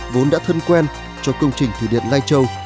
vốn đã thân quen cho công trình thủy điện lai châu